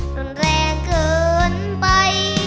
รุนแรงเกินไป